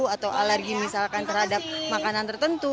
atau alergi misalkan terhadap makanan tertentu